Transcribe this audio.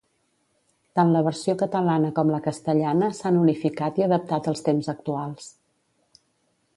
Tant la versió catalana com la castellana s'han unificat i adaptat als temps actuals.